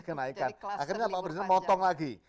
kenaikan akhirnya pak presiden motong lagi